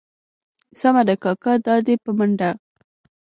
سمه ده کاکا دا دي په منډه.